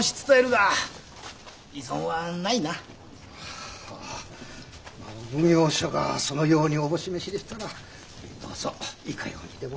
あお奉行所がそのようにおぼし召しでしたらどうぞいかようにでも。